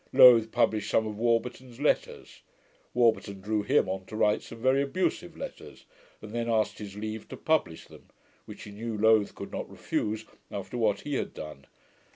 Lowth published some of Warburton's letters. Warburton drew HIM on to write some very abusive letters, and then asked his leave to publish them; which he knew Lowth could not refuse, after what he had done.